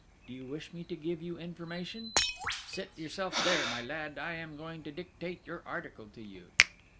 do you wish me to give you information?... Sit yourself there, my lad: I am going to dictate your article to you!"